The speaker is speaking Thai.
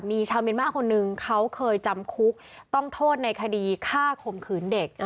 มีชาวเมียนมาร์คนนึงเขาเคยจำคุกต้องโทษในคดีฆ่าข่มขืนเด็ก